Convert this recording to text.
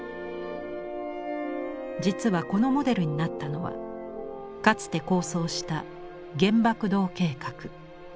実はこのモデルになったのはかつて構想した原爆堂計画。